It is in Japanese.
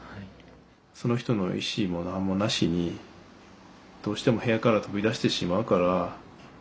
その人の意思も何もなしにどうしても部屋から飛び出してしまうから縛られる。